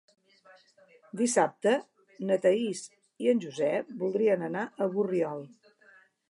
Dissabte na Thaís i en Josep voldrien anar a Borriol.